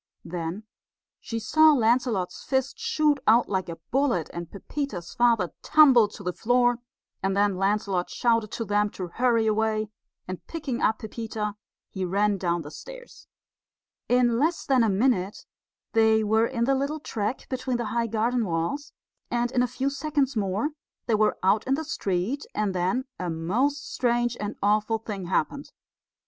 Then she saw Lancelot's fist shoot out like a bullet, and Pepita's father tumble to the floor; and then Lancelot shouted to them to hurry away, and picking up Pepita, he ran down the stairs. In less than a minute they were in the little track between the high garden walls; and in a few seconds more they were out in the street, and then a most strange and awful thing happened.